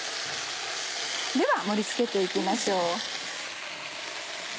では盛り付けて行きましょう。